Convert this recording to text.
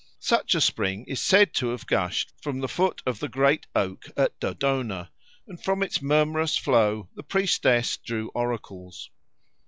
Such a spring is said to have gushed from the foot of the great oak at Dodona, and from its murmurous flow the priestess drew oracles.